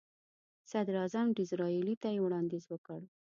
صدراعظم ډیزراییلي ته یې وړاندیز وکړ.